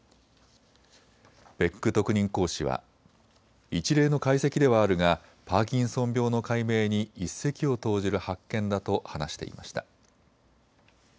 別宮特任講師は、１例の解析ではあるがパーキンソン病の解明に一石を投じる発見だと話していました。